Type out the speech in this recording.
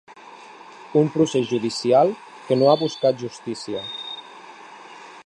Un procés judicial que no ha buscat justícia.